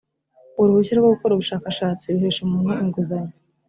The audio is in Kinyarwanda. uruhushya rwo gukora ubushakashatsi ruhesha umuntu inguzanyo